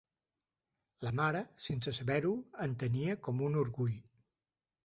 La mare, sense saber-ho, en tenia com un orgull